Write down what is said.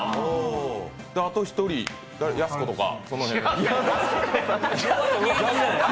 あと１人、やす子とか。